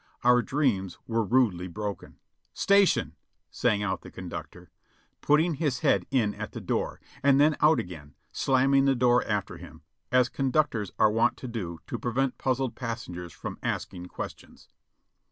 Our dreams were rudely broken. "Station !" sang out the conductor, putting his head in at the door, then out again, slamming the door after him, as conductors are wont to do to prevent puzzled passengers from asking ques tions.